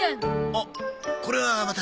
あっこれはまた。